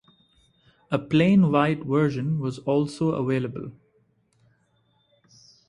A plain white version was also available.